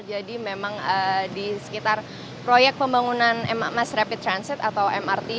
jadi memang di sekitar proyek pembangunan mass rapid transit atau mrt